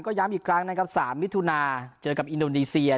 ย้ำอีกครั้งนะครับ๓มิถุนาเจอกับอินโดนีเซีย